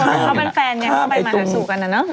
เข้าก็เป็นแฟนไปมาหาสู่กัน